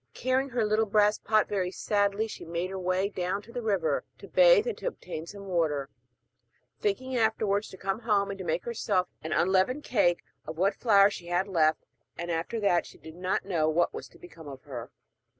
Carrying her little brass pot, very sadly she made her way down to the river to bathe and to obtain some water, thinking afterwards to come home and to make herself an unleavened cake of what flour she had left; and after that she did not know what was to become of her.